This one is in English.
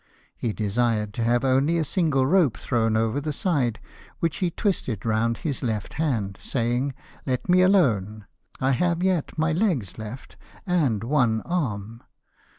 He desired to have only a single rope thrown over the side, which he twisted round his left hand, saying, " Let me alone : I have yet my legs left, and one arm.